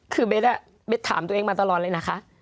คือเบสถามตัวเองมาตลอดเลยนะคะ